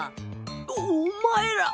おお前ら。